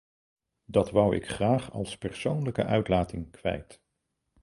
Dat wou ik graag als persoonlijke uitlating kwijt.